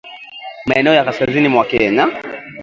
maeneo ya kaskazini mwa Kenya